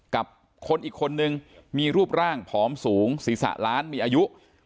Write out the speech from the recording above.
กับคนอีกคนนึงมีรูปร่างผอมสูงศีรษะล้านมีอายุ